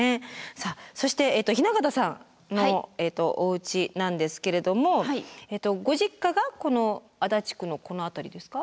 さあそして雛形さんのおうちなんですけれどもご実家がこの足立区のこの辺りですか？